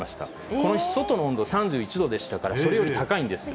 この日、外の温度３１度でしたから、それより高いんです。